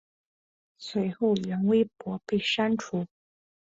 随后原微博被删除。